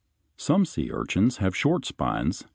] Some sea urchins have short spines (Fig.